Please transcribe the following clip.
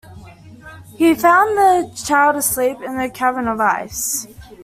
He found the child asleep in a cavern of ice.